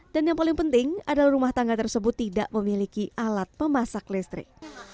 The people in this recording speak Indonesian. dan yang paling penting adalah rumah tangga tersebut tidak memiliki alat memasak listrik